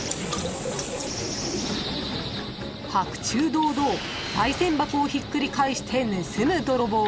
［白昼堂々さい銭箱をひっくり返して盗むドロボー］